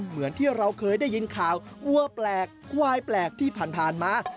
เหมือนที่เราเคยได้ยินข่าววัวแปลกควายแปลกที่ผ่านมา